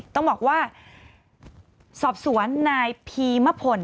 ต้องบอกว่าสอบสวนนายพีมพล